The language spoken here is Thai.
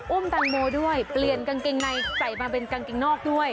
แตงโมด้วยเปลี่ยนกางเกงในใส่มาเป็นกางเกงนอกด้วย